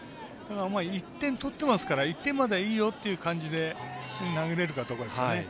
１点取ってますから１点まではいいよっていう感じで投げれるかどうかですね。